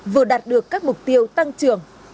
vừa đạt được các mục tiêu tăng trưởng